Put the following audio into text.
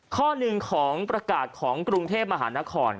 ข้อหนึ่งของประกาศของกรุงเทพมหานคร